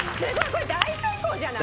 これ大成功じゃない？